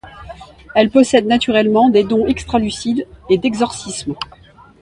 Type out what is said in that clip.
Elle possède naturellement des dons extralucide et d’exorcisme.